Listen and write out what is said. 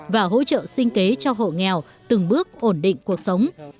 và hỗ trợ sinh kế cho hộ nghèo từng bước ổn định cuộc sống